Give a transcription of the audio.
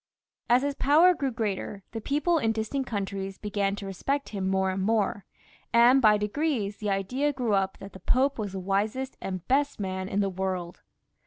As his power grew greater, the people in distant countries began to respect him more and more, and by degrees the idea grew up that the Pope was the wisest and best man in the world.